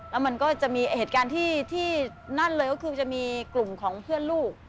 แล้วมันก็จะมีเหตุการณ์ที่นั่นเลยก็คือจะมีกลุ่มของเพื่อนลูก